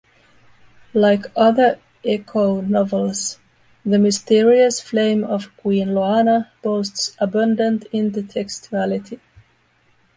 Like other Eco novels, "The Mysterious Flame of Queen Loana" boasts abundant intertextuality.